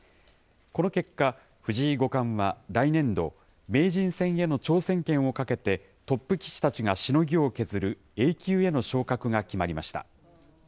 この結果、藤井五冠は来年度、名人戦への挑戦権をかけて、トップ棋士たちがしのぎを削るＡ級への昇格が決まりました。